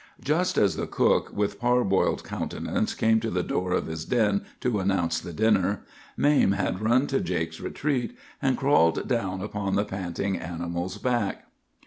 "Just as the cook, with parboiled countenance, came to the door of his den to announce the dinner, Mame had run to Jake's retreat, and crawled down upon the panting animal's back.